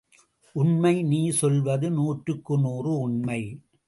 உண்மை நீ சொல்வது நூற்றுக்கு நூறு உண்மை!